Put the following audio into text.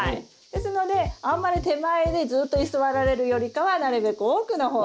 ですのであんまり手前でずっと居座られるよりかはなるべく奥の方がいいなと。